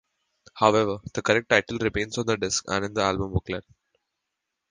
However, the correct title remains on the disk and in the album booklet.